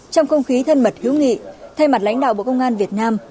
trong không khí thân mật hữu nghị thay mặt lãnh đạo bộ công an việt nam